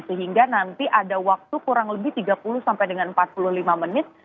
sehingga nanti ada waktu kurang lebih tiga puluh sampai dengan empat puluh lima menit